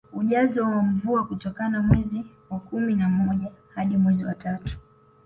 Ujazo wa mvua kutoka mwezi wa kumi na moja hadi mwezi wa tatu